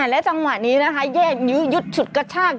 และจังหวะนี้นะคะแยกยื้อยุดฉุดกระชาก